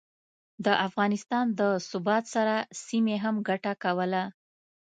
د افغانستان د ثبات سره، سیمې هم ګټه کوله